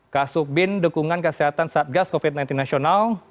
kasuk bin dukungan kesehatan satgas covid sembilan belas nasional